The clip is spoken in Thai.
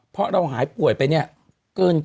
เพราะเราหายป่วยไปเนี่ยเกิน